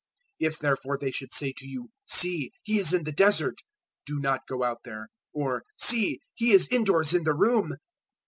024:026 If therefore they should say to you, `See, He is in the Desert!' do not go out there: or `See, He is indoors in the room!'